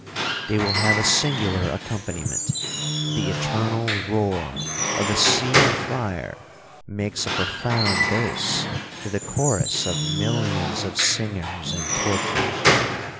They will have a singular accompaniment—the eternal roar of a sea of fire makes a profound bass to the chorus of millions of singers in torture!'